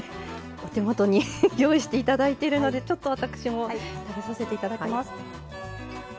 お手元に用意して頂いてるのでちょっと私も食べさせて頂きます。